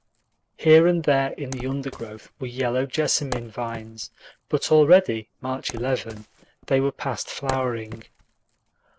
Here and there in the undergrowth were yellow jessamine vines, but already March 11 they were past flowering.